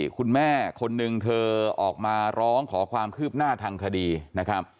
คุณแม่คนนึงเธอออกมาร้องขอความคืบหน้าทางคดีนะครับ